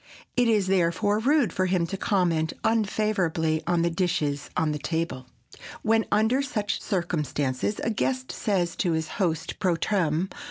It is therefore rude for him to comment unfavorably on the dishes on the table. When, under such circumstances, a guest says to his host _pro tem.